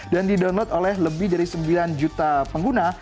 dan di download oleh lebih dari sembilan juta pengguna